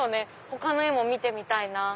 他の絵も見てみたいなぁ。